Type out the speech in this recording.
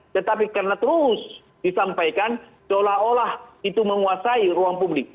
tetapi karena terus disampaikan seolah olah itu menguasai ruang publik